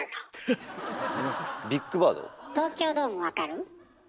東京ドーム分かる？